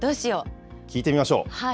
聞いてみましょう。